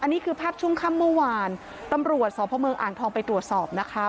นี่คือภาพช่วงค่ำเมื่อวานตำรวจสพเมืองอ่างทองไปตรวจสอบนะคะ